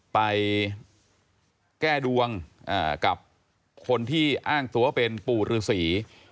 ไปแก้ดวงกับคนที่อ้างตัวเป็นปู่ฤษี